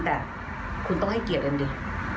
แต่คุณต้องให้เกลียดอันดี